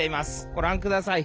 ご覧ください。